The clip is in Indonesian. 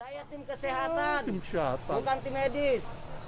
saya tim kesehatan bukan tim medis